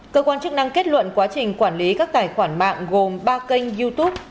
cơ quan chức năng kết luận quá trình quản lý các tài khoản mạng gồm ba kênh youtube